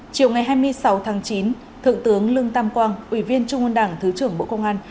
chiều ngày hai mươi sáu tháng chín thượng tướng lương tam quang ủy viên trung ương đảng thứ trưởng bộ công an